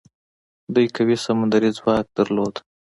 دوی قوي سمندري ځواک درلود.